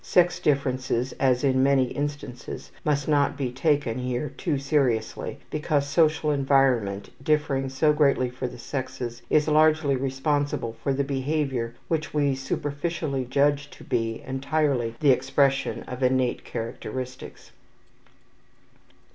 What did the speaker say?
Sex differences, as in many instances, must not be taken here too seriously because social environment, differing so greatly for the sexes, is largely responsible for the behavior which we superficially judge to be entirely the expression of innate characteristics.